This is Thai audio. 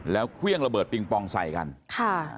แล้วเครื่องระเบิดปิงปองใส่กันค่ะ